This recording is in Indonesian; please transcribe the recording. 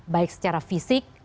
baik secara fisik